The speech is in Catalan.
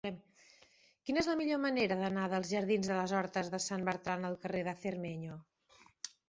Quina és la millor manera d'anar dels jardins de les Hortes de Sant Bertran al carrer de Cermeño?